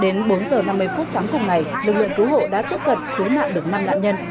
đến bốn h năm mươi phút sáng cùng ngày lực lượng cứu hộ đã tiếp cận cứu nạn được năm nạn nhân